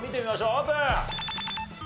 オープン。